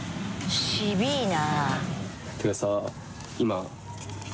渋いな。